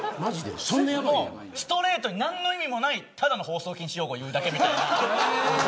ストレートに何の意味もないただの放送禁止用語を言うだけみたいな。